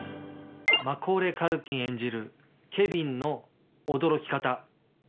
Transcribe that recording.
マコーレー・カルキン演じるケビンの驚き方。